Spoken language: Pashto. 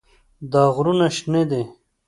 دا غرونه شنه دي.